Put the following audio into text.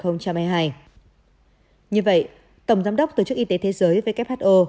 như vậy tổng giám đốc tổ chức y tế thế giới who